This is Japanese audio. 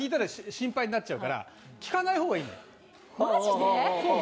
マジで？